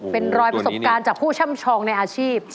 เป็นรอยประสบการณ์จากผู้ช่ำชองในอาชีพ